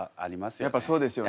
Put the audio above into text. やっぱそうですよね。